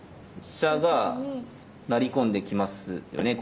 飛車が成りこんできますよね。